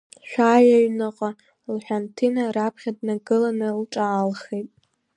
Шәааи аҩныҟа, — лҳәан Ҭина раԥхьа днагыланы лҿаалхеит.